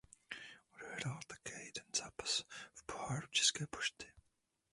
Odehrál také jeden zápas v Poháru České pošty.